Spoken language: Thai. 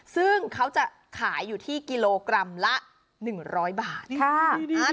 ซึ่งเขาจะขายอยู่ที่กิโลกรัมละ๑๐๐บาทค่ะ